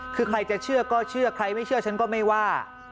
คือใครจะเชื่อก็เชื่อใครไม่เชื่อฉันก็ไม่ว่า